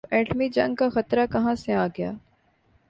تو ایٹمی جنگ کا خطرہ کہاں سے آ گیا؟